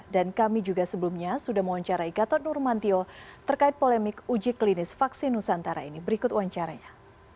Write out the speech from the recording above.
dan kami juga sebelumnya sudah menguancarai gatot nurmantio terkait polemik uji klinis vaksin nusantara ini berikut uancaranya